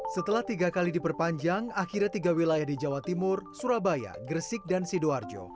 setelah tiga kali diperpanjang akhirnya tiga wilayah di jawa timur surabaya gresik dan sidoarjo